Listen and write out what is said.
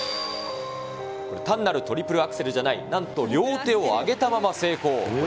単なるトリプルアクセルじゃない、なんと両手を上げたまませいこう。